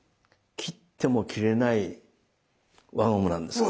切っても切れない輪ゴムなんです。